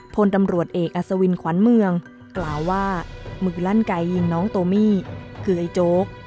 พลตำรวจเอกอัศวินขวัญเมืองกล่าวว่ามือลั่นไกยิงน้องโตมี่คือไอ้โจ๊ก